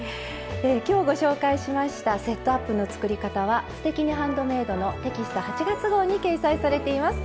今日ご紹介しました「セットアップ」の作り方は「すてきにハンドメイド」のテキスト８月号に掲載されています。